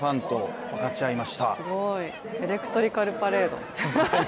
すごい、エレクトリカルパレードみたい。